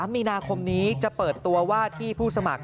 มีนาคมนี้จะเปิดตัวว่าที่ผู้สมัคร